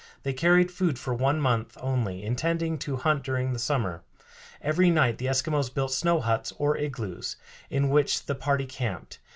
They carried food for one month only, intending to hunt during the summer. Every night the Eskimos built snow huts, or igloos, in which the party camped.